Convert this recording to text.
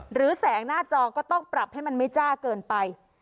แสงหน้าจอก็ต้องปรับให้มันไม่จ้าเกินไป